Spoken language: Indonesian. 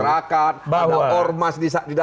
ada tokoh tokoh masyarakat ada ormas di dalamnya